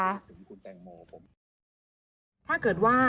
ถ้าเกิดว่า